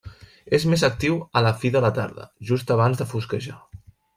És més actiu a la fi de la tarda, just abans de fosquejar.